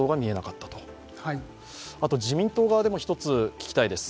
自民党側でも一つ聞きたいです。